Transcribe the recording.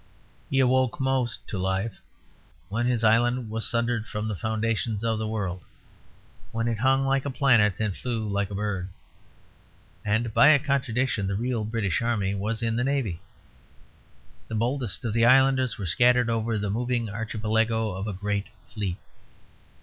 He awoke most to life when his island was sundered from the foundations of the world, when it hung like a planet and flew like a bird. And, by a contradiction, the real British army was in the navy; the boldest of the islanders were scattered over the moving archipelago of a great fleet.